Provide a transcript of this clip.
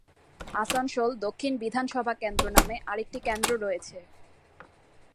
আসানসোল দক্ষিণ বিধানসভা কেন্দ্র নামে আরেকটি কেন্দ্র রয়েছে।